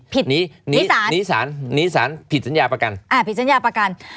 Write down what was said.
ผิดนิสานพิดสัญญาประกันพิดสัญญาประกัน